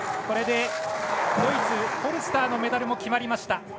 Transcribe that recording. これでドイツのフォルスターのメダルも決まりました。